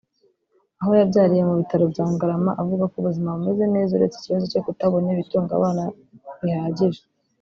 Aho yabyariye mu bitaro bya Ngarama avuga ko ubuzima bumeze neza uretse kibazo cyo kutabona ibitunga abana bihagije